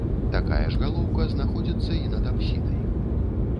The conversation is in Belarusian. Такая ж галоўка знаходзіцца і над апсідай.